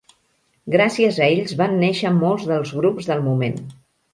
Gràcies a ells van néixer molts dels grups del moment.